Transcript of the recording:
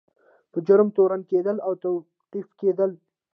په جرم تورن کیدل او توقیف کیدل.